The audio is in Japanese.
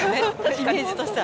イメージとしては。